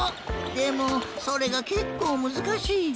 でもそれがけっこうむずかしい。